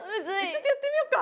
ちょっとやってみよっか。